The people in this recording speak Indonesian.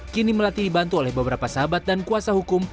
kini melati dibantu oleh beberapa sahabat dan kuasa hukum